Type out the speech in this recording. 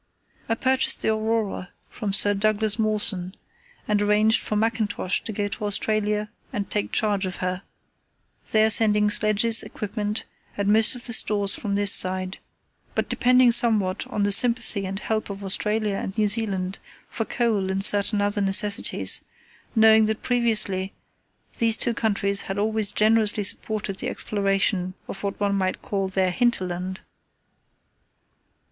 I purchased the Aurora from Sir Douglas Mawson, and arranged for Mackintosh to go to Australia and take charge of her, there sending sledges, equipment and most of the stores from this side, but depending somewhat on the sympathy and help of Australia and New Zealand for coal and certain other necessities, knowing that previously these two countries had always generously supported the exploration of what one might call their hinterland.